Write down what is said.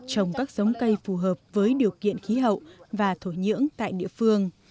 trồng các giống cây phù hợp với điều kiện khí hậu và thổ nhưỡng tại địa phương